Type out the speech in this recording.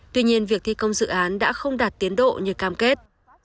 tuy nhiên việc thi công dự án đã không đạt tiến độ như cam kết